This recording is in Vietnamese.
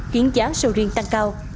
khiến giá sầu riêng tăng cao